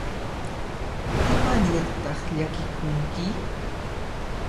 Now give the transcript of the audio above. ¿Imanirtaq llakikunki?